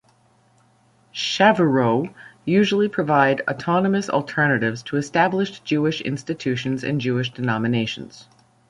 "Chavurot" usually provide autonomous alternatives to established Jewish institutions and Jewish denominations.